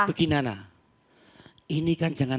begini nana ini kan jangan